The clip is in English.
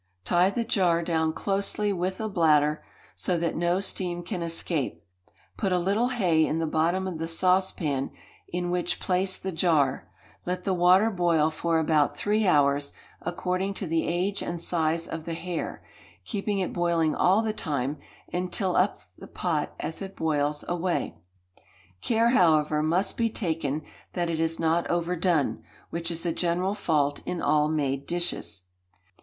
Tie the jar down closely with a bladder, so that no steam can escape; put a little hay in the bottom of the saucepan, in which place the jar; let the water boil for about three hours, according to the age and size of the hare, keeping it boiling all the time, and till up the pot as it boils away. Care, however, must be taken that it is not overdone, which is the general fault in all made dishes.